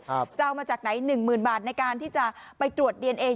จะเอามาจากไหนหนึ่งหมื่นบาทในการที่จะไปตรวจดีเอนเอ